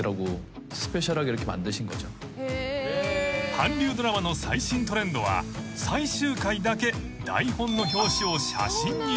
［韓流ドラマの最新トレンドは最終回だけ台本の表紙を写真にすること］